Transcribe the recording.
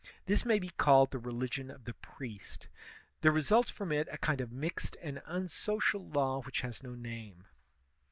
This may be called the religion of the priest. There results from it a kind of mixed and unsocial law which has no name.